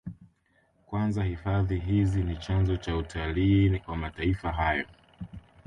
Kwanza hifadhi hizi ni chanzo cha utalii kwa mataifa hayo